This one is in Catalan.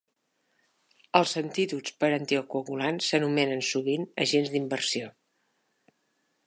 Els antídots per anticoagulants s'anomenen sovint agents d'inversió.